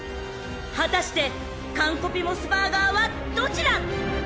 ［果たしてカンコピモスバーガーはどちら？］